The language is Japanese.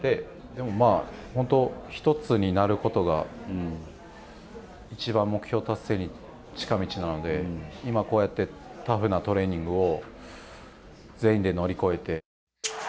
でも、本当１つになることがいちばん目標達成に近道なので今こうやってタフなトレーニングを全員で乗り越えて。